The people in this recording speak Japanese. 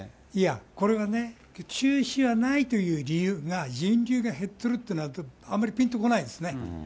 これがね、中止はないという理由が、人流が減ってるってなるのは、あまりぴんとこないですね。